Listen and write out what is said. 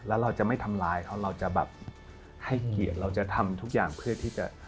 แล้วเราจะไม่ทำร้ายเขาเราจะแบบให้เกียรติเราจะทำทุกอย่างเพื่อที่จะ